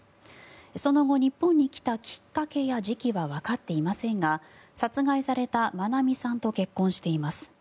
その後、日本に来たきっかけや時期はわかっていませんが殺害された愛美さんと結婚しています。